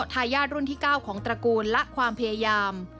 ทายาทรุ่นที่๙ของตระกูลและความพยายาม